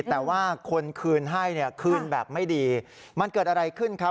แต่ว่าคนคืนให้เนี่ยคืนแบบไม่ดีมันเกิดอะไรขึ้นครับ